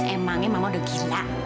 emangnya mama udah gila